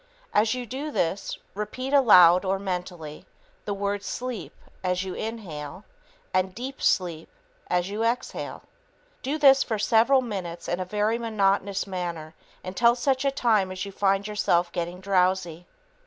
As you do this, repeat, aloud or mentally, the word "sleep" as you inhale and "deep sleep" as you exhale. Do this for several minutes in a very monotonous manner until such time as you find yourself getting drowsy.